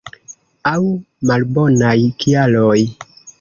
Aŭ malbonaj kialoj.